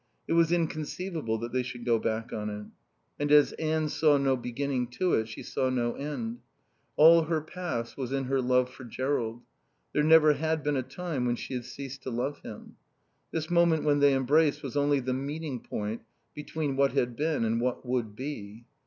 It was inconceivable that they should go back on it. And as Anne saw no beginning to it, she saw no end. All her past was in her love for Jerrold; there never had been a time when she had ceased to love him. This moment when they embraced was only the meeting point between what had been and what would be.